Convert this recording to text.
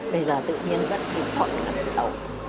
bây giờ tự nhiên bất tỉnh thoảng chú ạ